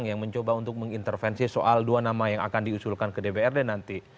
yang mencoba untuk mengintervensi soal dua nama yang akan diusulkan ke dprd nanti